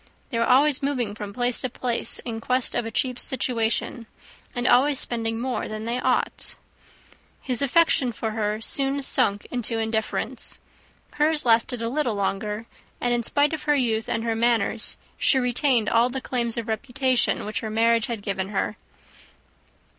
They were always moving from place to place in quest of a cheap situation, and always spending more than they ought. His affection for her soon sunk into indifference: hers lasted a little longer; and, in spite of her youth and her manners, she retained all the claims to reputation which her marriage had given her.